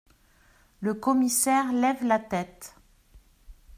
Le commissaire lève la tête.